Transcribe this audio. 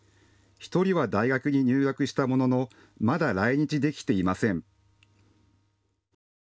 １人は大学に入学したもののまだ来日できていません。